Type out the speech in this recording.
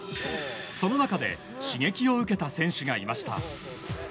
その中で刺激を受けた選手がいました。